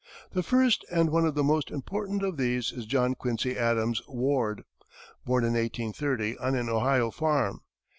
The first and one of the most important of these is John Quincy Adams Ward, born in 1830 on an Ohio farm.